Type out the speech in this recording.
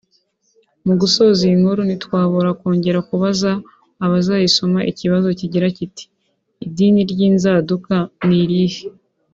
Mu gusoza iyi nkuru ntitwabura kongera kubaza abazayisoma ikibazo kigira kiti ‘Idini ry’inzaduka ni irihe